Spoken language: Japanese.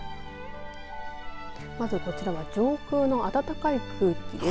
まずこちらは上空の暖かい空気です。